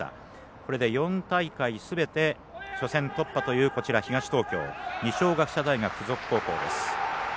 これで４大会すべて初戦突破というこちら、東東京二松学舎大付属高校です。